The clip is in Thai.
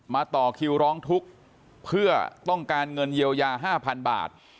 ต่อคิวร้องทุกข์เพื่อต้องการเงินเยียวยา๕๐๐๐บาท